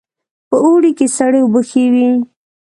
په اوړي کې سړې اوبه ښې وي